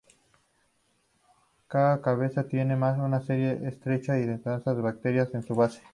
Cada cabeza tiene una serie de estrechas y dentadas brácteas en su base.